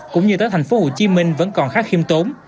cũng như tới thành phố hồ chí minh vẫn còn khá khiêm tốn